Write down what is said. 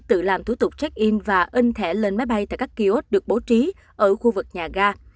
tự làm thủ tục check in và in thẻ lên máy bay tại các kiosk được bố trí ở khu vực nhà ga